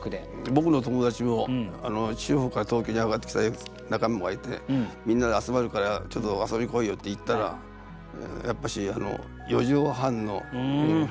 僕の友達も地方から東京に上がってきた仲間がいて「みんなで集まるからちょっと遊び来いよ」って行ったらやっぱし四畳半の部屋で。